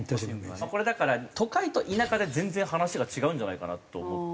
これだから都会と田舎で全然話が違うんじゃないかなと思ってて。